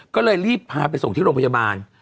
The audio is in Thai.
ก็เลยรีบพาไปส่งที่โรงพยาบาล